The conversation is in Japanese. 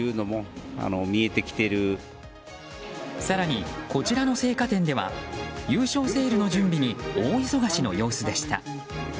更にこちらの青果店では優勝セールの準備に大忙しの様子でした。